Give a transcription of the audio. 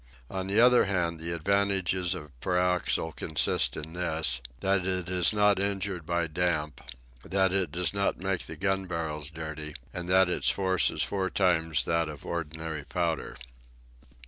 On the other hand, the advantages of pyroxyle consist in this, that it is not injured by damp, that it does not make the gun barrels dirty, and that its force is four times that of ordinary powder.